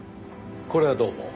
これはどうも。